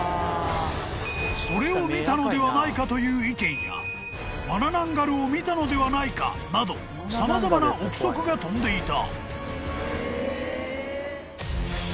［それを見たのではないかという意見やマナナンガルを見たのではないかなど様々な臆測が飛んでいた］